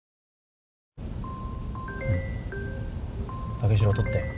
武四郎取って。